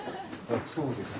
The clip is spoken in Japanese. そうですね。